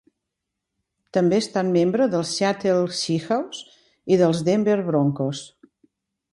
També ha estat membre dels Seattle Seahawks i dels Denver Broncos.